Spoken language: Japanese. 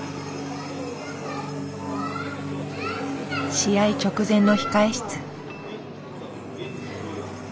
試合直前の控え室。